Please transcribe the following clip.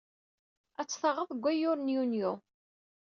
Ad t-taɣed deg wayyur n Yunyu.